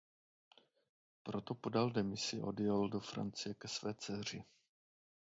Proto podal demisi a odjel do Francie ke své dceři.